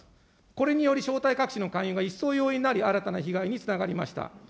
これにより、正体隠しの会員が一層容易になり、新たな被害につながりました。